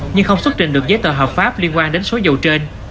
nhưng không xuất trình được giấy tờ hợp pháp liên quan đến số dầu trên